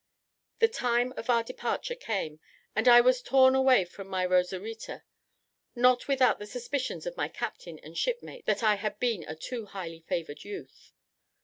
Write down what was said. The time of our departure came, and I was torn away from my Rosaritta, not without the suspicions of my captain and shipmates that I had been a too highly favoured youth.